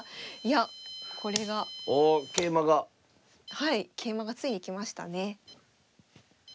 はい桂馬がついに行きましたね。